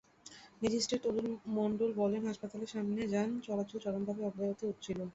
Magistrate Atul Mondal বলেন, হাসপাতালের সামনে যান চলাচল চরমভাবে ব্যাহত হচ্ছিল।